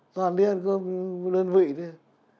toàn đi ăn cơm đơn vị thôi